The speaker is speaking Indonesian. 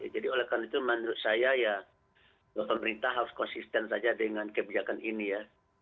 jadi olehkan itu menurut saya ya pemerintah harus konsisten saja dengan kebijakan ini ya